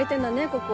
ここ。